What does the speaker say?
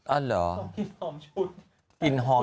อ้าวเหรอส่งกลิ่นหอมฉุน